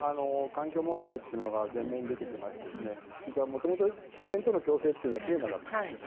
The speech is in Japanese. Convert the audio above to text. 環境問題が前面に出てきまして元々、自然との共生というのがテーマだったんです。